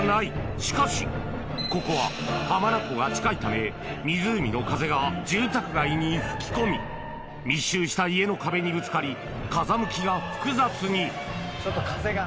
しかしここは浜名湖が近いため湖の風が住宅街に吹き込み密集した家の壁にぶつかり風向きが複雑にちょっと風が。